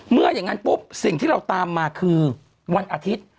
เมื่ออย่างนั้นปุ๊บสิ่งที่เราตามมาคือวันอาทิตย์